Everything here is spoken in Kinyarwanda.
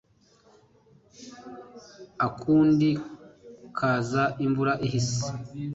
akundi kaza imvura ihise